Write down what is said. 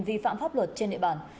vi phạm pháp luật trên địa bàn